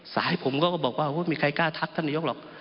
สายผมก็บอกว่ามีใครกล้าทักท่านนายกหรอก